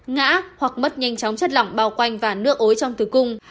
ngã hoặc mất nhanh chóng chất lỏng bao quanh và nước ối trong tử cung